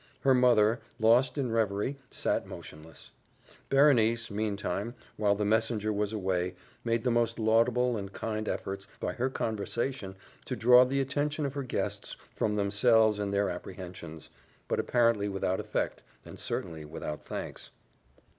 Her mother, lost in reverie, sat motionless. Berenice, meantime, while the messenger was away, made the most laudable and kind efforts, by her conversation, to draw the attention of her guests from themselves and their apprehensions; but apparently without effect, and certainly without thanks.